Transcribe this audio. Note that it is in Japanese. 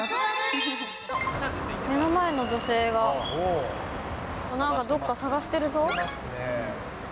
目の前の女性がなんかどっか探してるぞ。